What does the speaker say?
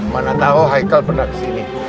mana tahu haikal pernah ke sini